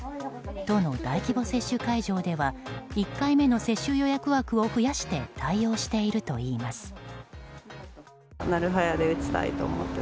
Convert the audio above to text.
都の大規模接種会場では１回目の接種予約枠を増やして対応しているといいます。